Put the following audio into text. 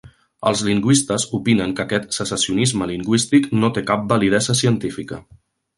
Els lingüistes opinen que aquest secessionisme lingüístic no té cap validesa científica.